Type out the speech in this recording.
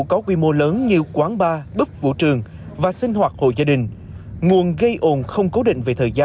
có quy mô lớn như quán bar bức vũ trường và sinh hoạt hộ gia đình nguồn gây ồn không cố định về